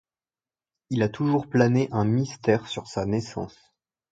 Il a toujours plané un mystère sur sa naissance...